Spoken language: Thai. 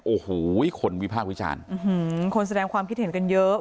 โอ้โหคนวิพากษ์วิจารณ์คนแสดงความคิดเห็นกันเยอะ